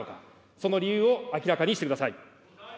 その理由を明らかにしてください。